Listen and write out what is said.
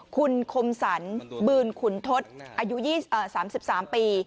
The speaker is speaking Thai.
คุณคมสรรบืนขุนทศอายุ๓๓ปี